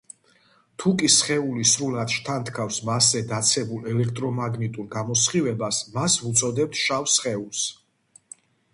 თუკი სხეული სრულად შთანთქავს მასზე დაცემულ ელექტრომაგნიტურ გამოსხივებას, მას ვუწოდებთ შავ სხეულს.